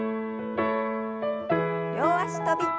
両脚跳び。